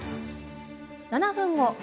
７分後。